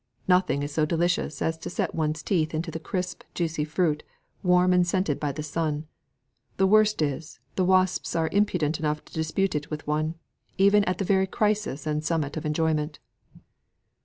"Nothing is so delicious as to set one's teeth into the crisp, juicy fruit, warm and scented by the sun. The worst is, the wasps are impudent enough to dispute it with one, even at the very crisis and summit of enjoyment."